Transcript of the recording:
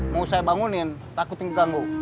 mau saya bangunin takut diganggu